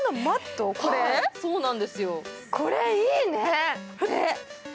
これ、いいね。